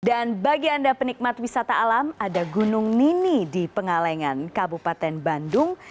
bagi anda penikmat wisata alam ada gunung nini di pengalengan kabupaten bandung